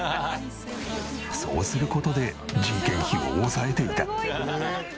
そうする事で人件費を抑えていた。